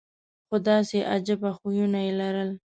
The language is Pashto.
خو داسې عجیبه خویونه یې لرل.